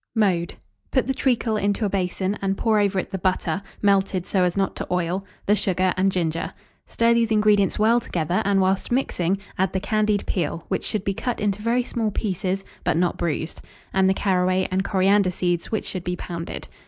Mode. Put the treacle into a basin, and pour over it the butter, melted so as not to oil, the sugar, and ginger. Stir these ingredients well together, and whilst mixing, add the candied peel, which should be cut into very small pieces, but not bruised, and the caraway and coriander seeds, which should be pounded.